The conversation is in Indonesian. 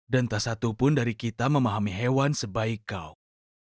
dan tak satu pun dari kita memahami hewan sebaik kau